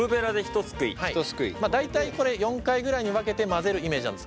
大体これ４回ぐらいに分けて混ぜるイメージなんです。